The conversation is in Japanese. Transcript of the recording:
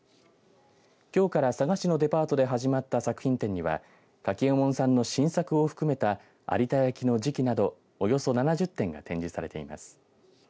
きょうから佐賀市のデパートで始まった作品展には柿右衛門さんの新作を含めた有田焼の磁器などおよそ７０点が展示されています。